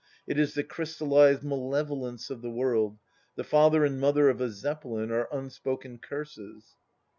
It is the crystallized malevolence of the world. The father and mother of a Zeppelin are unspoken curses